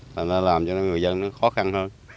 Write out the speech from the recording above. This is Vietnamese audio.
thành ra làm cho người dân nó khó khăn hơn